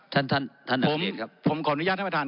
ท่านอัคเดชครับผมขออนุญาตท่านประธาน